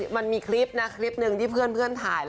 มันมีคลิปนะคลิปหนึ่งที่เพื่อนถ่าย